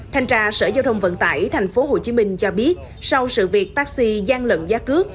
thanh tra sở giao thông vận tải tp hcm cho biết sau sự việc taxi gian lận giá cước